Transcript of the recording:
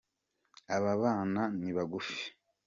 ababana nibagufi